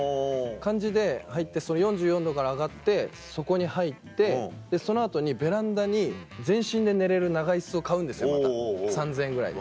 感じで入って４４℃から上がってそこに入ってその後にベランダに全身で寝れる長椅子を買うんですよまた３０００円ぐらいで。